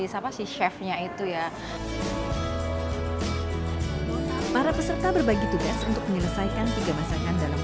siapa sih chefnya itu ya para peserta berbagi tugas untuk menyelesaikan tiga masakan dalam